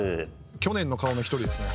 去年の顔の一人ですね。